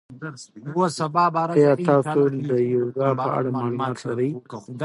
ایا تاسي د یوګا په اړه معلومات لرئ؟